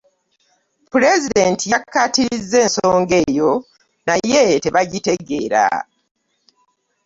Pulezidenti yakkaatiriza ensonga eyo naye tebaagitegeera.